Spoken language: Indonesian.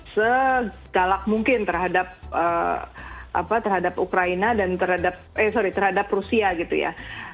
segalak mungkin terhadap ukraina dan terhadap eh sorry terhadap rusia gitu ya